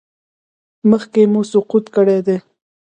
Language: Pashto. مخکې مو سقط کړی دی؟